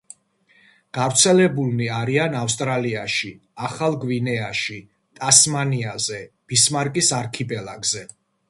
გავრცელებულნი არიან ავსტრალიაში, ახალ გვინეაში, ტასმანიაზე, ბისმარკის არქიპელაგზე.